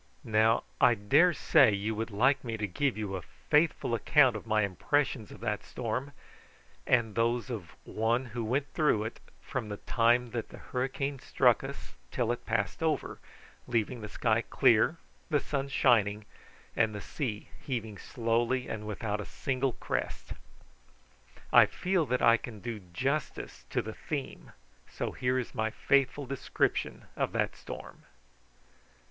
Now, I daresay you would like me to give you a faithful account of my impressions of that storm, and those of one who went through it from the time that the hurricane struck us till it passed over, leaving the sky clear, the sun shining, and the sea heaving slowly and without a single crest. I feel that I can do justice to the theme, so here is my faithful description of that storm.